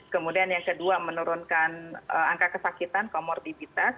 kemudian yang kedua menurunkan angka kesakitan komorbiditas